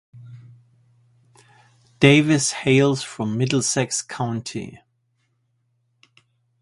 Davis hails from Middlesex County.